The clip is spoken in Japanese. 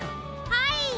はい。